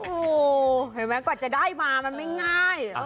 อู้วเห็นไหมก่อนจะได้มามันไม่ง่าย